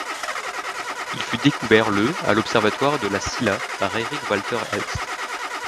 Il fut découvert le à l'Observatoire de La Silla par Eric Walter Elst.